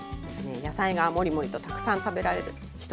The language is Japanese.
野菜がもりもりとたくさん食べられる１品になってます。